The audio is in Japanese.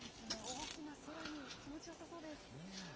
大きな空に気持ちよさそうです。